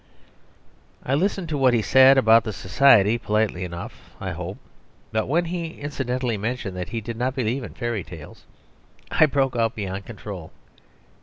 ..... I listened to what he said about the society politely enough, I hope; but when he incidentally mentioned that he did not believe in fairy tales, I broke out beyond control.